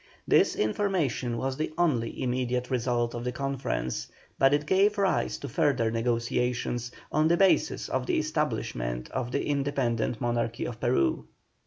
This information was the only immediate result of the conference, but it gave rise to further negotiations, on the basis of the establishment of an independent monarchy in Peru.